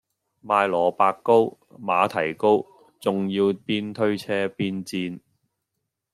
賣蘿蔔糕馬蹄糕仲要邊推車邊煎